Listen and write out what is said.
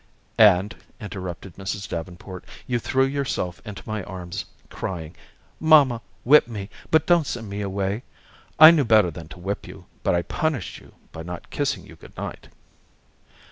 '" "And," interrupted Mrs. Davenport, "you threw yourself into my arms, crying, 'Mamma, whip me, but don't send me away.' I knew better than to whip you, but I punished you by not kissing you good night."